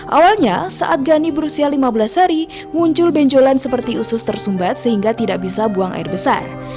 awalnya saat gani berusia lima belas hari muncul benjolan seperti usus tersumbat sehingga tidak bisa buang air besar